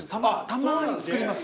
たまに作ります。